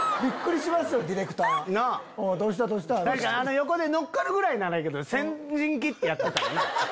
横で乗っかるぐらいならいいけど先陣切ってやってたらなぁ。